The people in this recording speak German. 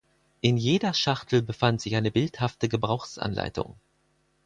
In jeder Schachtel befand sich eine bildhafte Gebrauchsanleitung.